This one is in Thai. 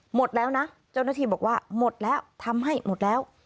หมดแล้วนะเจ้าหน้าที่บอกว่าหมดแล้วทำให้หมดแล้ว